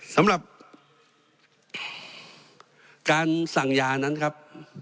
สำหรับการสั่งยานั้นครับ